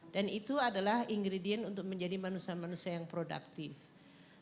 dan itu adalah ingredient untuk menjadi manusia manusia yang productive